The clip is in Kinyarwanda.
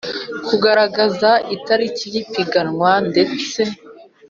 Kugaragaza itariki y ipiganwa ndetse